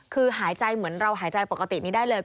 คือหายใจเหมือนเราหายใจปกตินี้ได้เลย